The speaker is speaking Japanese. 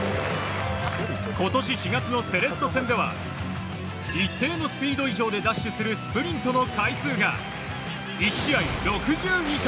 今年４月のセレッソ戦では一定のスピード以上でダッシュするスプリントの回数が１試合６２回